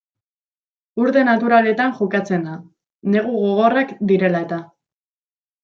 Urte naturaletan jokatzen da, negu gogorrak direla eta.